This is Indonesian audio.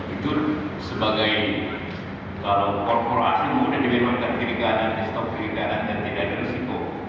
itu sebagai kalau korporasi mudah dikembangkan ke negara dan stock ke negara tidak disitu